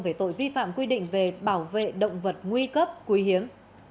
về tội vi phạm quy định về bảo vệ động vật nguy cấp quý hiếm